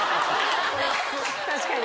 確かに。